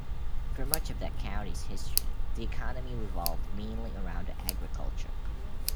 For much of the county's history, the economy revolved mainly around agriculture.